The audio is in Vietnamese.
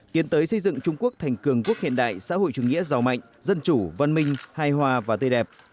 tiến tới xây dựng trung quốc thành cường quốc hiện đại xã hội chủ nghĩa giàu mạnh dân chủ văn minh hài hòa và tươi đẹp